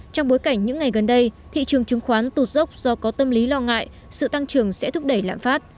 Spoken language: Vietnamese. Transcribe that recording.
trong bối cảnh những ngày gần đây thị trường chứng khoán tụt dốc do có tâm lý lo ngại sự tăng trưởng sẽ thúc đẩy lạm phát